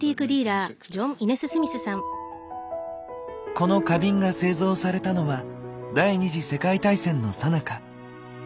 この花瓶が製造されたのは第二次世界大戦のさなか。